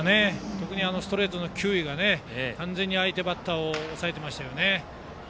特にストレートの球威が完全に相手バッターを抑えていましたね。